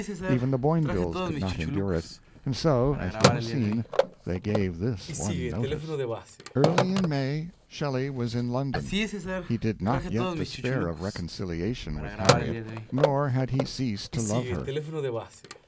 Even the Boinvilles could not endure it; and so, as we have seen, they gave this one notice. "Early in May, Shelley was in London. He did not yet despair of reconciliation with Harriet, nor had he ceased to love her."